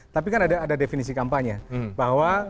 tapi kan ada definisi kampanye bahwa